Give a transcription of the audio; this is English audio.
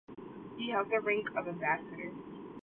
He held the rank of ambassador.